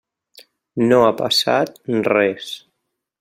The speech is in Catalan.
No ha passat res.